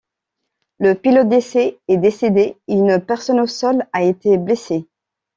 Le pilote d'essai est décédé et une personne au sol a été blessée.